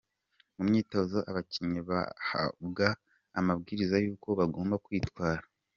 Mu myitozo abakinnyi bahabwaga amabwiriza y'uko bagomba kwitwara.